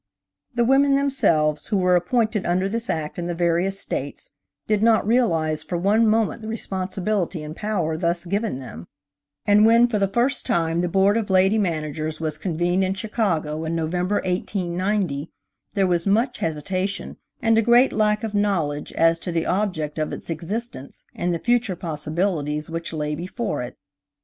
The women themselves, who were appointed under this act in the various States, did not realize for one moment the responsibility and power thus given them, and when for the first time the Board of Lady Managers was convened in Chicago in November, 1890, there was much hesitation and a great lack of knowledge as to the object of its existence and the future possibilities which lay before it.